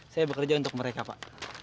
saya bekerja untuk mereka pak